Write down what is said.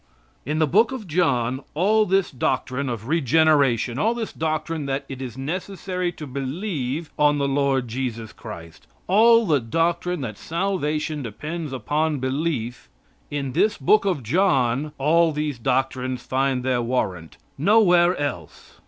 In the book of John all this doctrine of regeneration; all this doctrine that it is necessary to believe on the Lord Jesus Christ; all the doctrine that salvation depends upon belief in this book of John all these doctrines find their warrant; nowhere else.